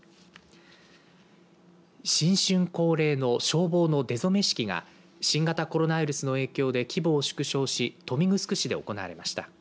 新春恒例の消防の出初め式が新型コロナウイルスの影響で規模を縮小し豊見城市で行われました。